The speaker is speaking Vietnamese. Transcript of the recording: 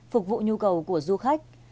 phục vụ nhu cầu của du khách